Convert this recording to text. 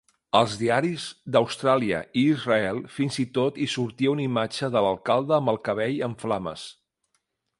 Als diaris d'Austràlia i Israel fins i tot hi sortia una imatge de l'alcalde amb el cabell en flames.